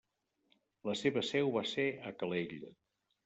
La seva seu va ser a Calella.